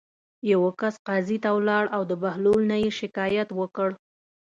یوه کس قاضي ته لاړ او د بهلول نه یې شکایت وکړ.